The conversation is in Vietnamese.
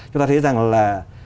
chúng ta thấy rằng là